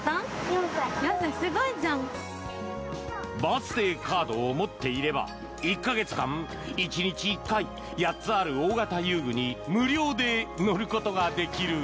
バースデーカードを持っていれば１か月間、１日１回８つある大型遊具に無料で乗ることができる。